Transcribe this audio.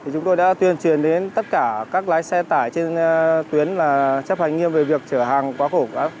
chúng tôi đã tuyên truyền đến tất cả các lái xe tải trên tuyến là chấp hành nghiêm về việc chở hàng quá khổ